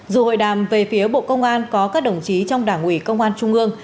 dù hội đàm về phía bộ công an có các đồng chí trong đảng ủy công an trung ương